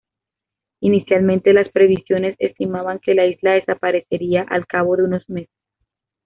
Inicialmente, las previsiones estimaban que la isla desaparecería al cabo de unos meses.